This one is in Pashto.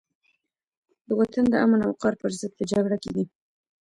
د وطن د امن او وقار پرضد په جګړه کې دي.